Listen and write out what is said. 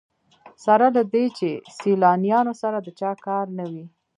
سره له دې چې سیلانیانو سره د چا کار نه وي.